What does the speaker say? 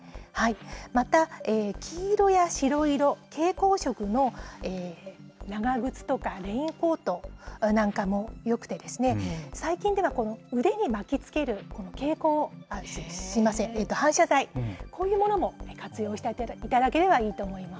また、黄色や白色、蛍光色の長靴とかレインコートなんかもよくて、最近では腕に巻きつける反射材、こういうものも活用していただければいいと思います。